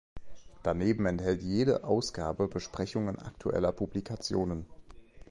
Daneben enthält jede Ausgabe Besprechungen aktueller Publikationen.